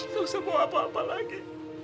gak usah bawa apa apa lagi